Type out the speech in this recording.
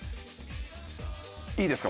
いいですか？